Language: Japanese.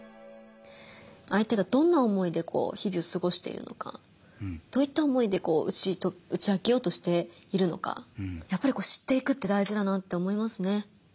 相手がどんな思いでこう日々を過ごしているのかどういった思いでこう打ち明けようとしているのかやっぱり知っていくって大事だなって思いますね。